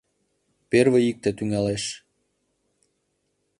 Первый икте тӱҥалеш.